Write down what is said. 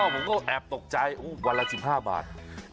ผมก็แอบตกใจวันละ๑๕บาท